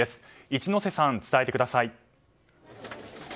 一之瀬さん、伝えてください。